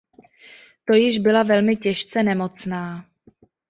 To již byla velmi těžce nemocná.